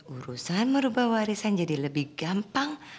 urusan merubah warisan jadi lebih gampang